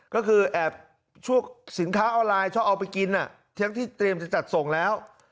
ก็คือแอบช่วงสินค้าออนไลน์ชอบเอาไปกินทั้งที่เตรียมจะจัดส่งแล้ว